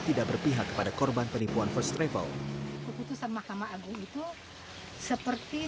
tidak berpihak kepada korban penipuan first travel keputusan mahkamah agung itu seperti